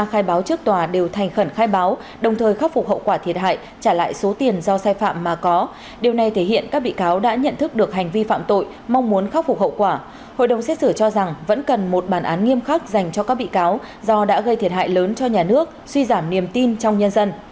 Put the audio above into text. hội đồng xét xử cho rằng vẫn cần một bản án nghiêm khắc dành cho các bị cáo do đã gây thiệt hại lớn cho nhà nước suy giảm niềm tin trong nhân dân